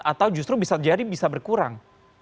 atau justru bisa jadi bisa berkurang